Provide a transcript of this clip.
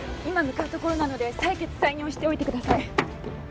今向かうところなので採血採尿しておいてください。